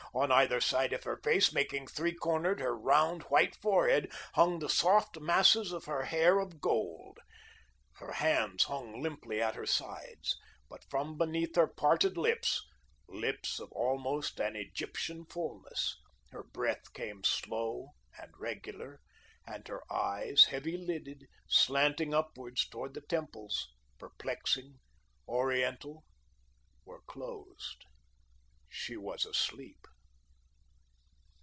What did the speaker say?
On either side of her face, making three cornered her round, white forehead, hung the soft masses of her hair of gold. Her hands hung limply at her sides. But from between her parted lips lips of almost an Egyptian fulness her breath came slow and regular, and her eyes, heavy lidded, slanting upwards toward the temples, perplexing, oriental, were closed. She was asleep.